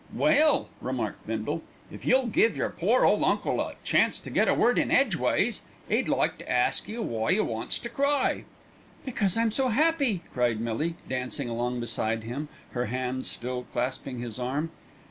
"Well," remarked Bindle, "if you'll give your pore ole uncle a chance to get a word in edgeways, 'e'd like to ask why you wants to cry." "Because I'm so happy," cried Millie, dancing along beside him, her hands still clasping his arm.